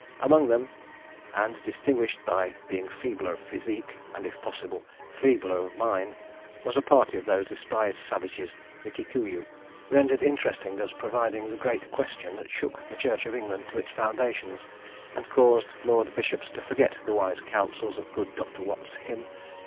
Among them, and distinguished by being feebler of physique, and, if possible, feebler of mind, was a party of those despised savages, the Kikuyu, rendered interesting as providing the great question that shook the Church of England to its foundations, and caused Lord Bishops to forget the wise councils of good Doctor Watts' hymn.